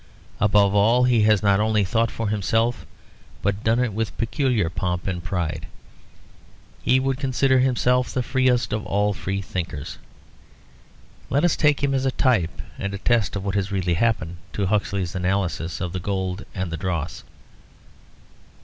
Above all, he has not only thought for himself, but done it with peculiar pomp and pride; he would consider himself the freest of all freethinkers. Let us take him as a type and a test of what has really happened to Huxley's analysis of the gold and the dross.